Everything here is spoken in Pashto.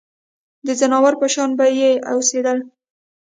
د ځناورو په شان به یې اوسېدل.